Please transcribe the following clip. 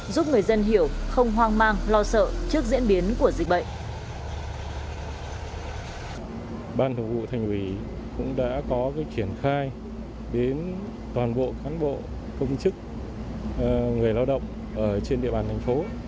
giúp người dân hiểu không hoang mang lo sợ trước diễn biến của dịch bệnh